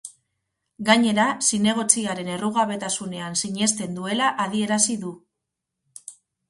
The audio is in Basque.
Gainera, zinegotziaren errugabetasunean sinesten duela adierazi du.